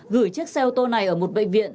gửi chiếc xe ô tô này ở một bệnh viện